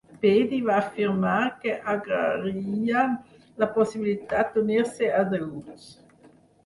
Peedi va afirmar que agrairia la possibilitat d'unir-se a The Roots.